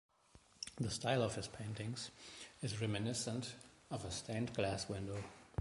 The style of his paintings is reminiscent of a stained glass window.